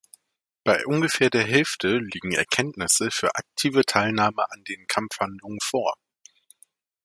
Bei ungefähr der Hälfte liegen Erkenntnisse für aktive Teilnahme an den Kampfhandlungen vor.